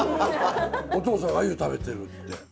「お父さんアユ食べてる」って。